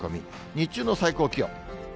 日中の最高気温。